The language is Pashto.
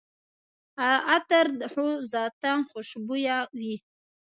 عطر خو ذاتاً خوشبویه وي.